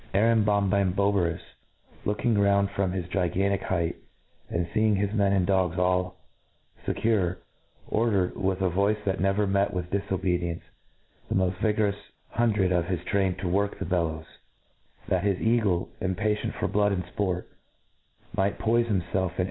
A tambombamboberus, looking round from his gigantic height, and feeing his men and dogs all Tccure, ordered, with a voice that never met with difobedience, the moft vigorous hundred of his train to work the bellows, that his eagle, impa tient for blood and fport, might poife himfelf in